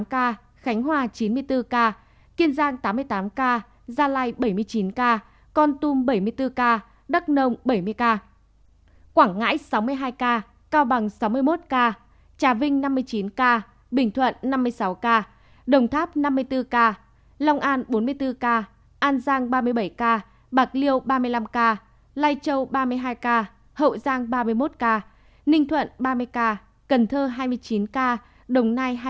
khánh hòa chín mươi bốn ca kiên giang tám mươi tám ca gia lai bảy mươi chín ca con tum bảy mươi bốn ca đắk nông bảy mươi ca quảng ngãi sáu mươi hai ca cao bằng sáu mươi một ca trà vinh năm mươi chín ca bình thuận năm mươi sáu ca đồng tháp năm mươi bốn ca lòng an bốn mươi bốn ca an giang ba mươi bảy ca bạc liêu ba mươi năm ca lai châu ba mươi hai ca hậu giang ba mươi một ca ninh thuận ba mươi ca cần thơ hai mươi chín ca đồng nai hai mươi bảy ca